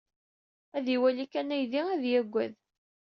Ad iwali kan aydi, ad yaggad.